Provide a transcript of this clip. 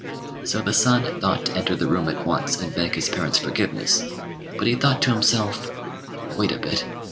So the son thought to enter the room at once and beg his parents' forgiveness; but he thought to himself, "Wait a bit.